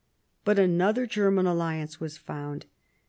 But another German alliance was found.